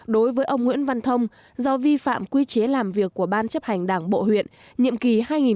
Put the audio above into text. đối với ông nguyễn văn thông do vi phạm quy chế làm việc của ban chấp hành đảng bộ huyện nhiệm kỳ hai nghìn một mươi năm hai nghìn hai mươi